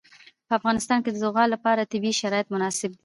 په افغانستان کې د زغال لپاره طبیعي شرایط مناسب دي.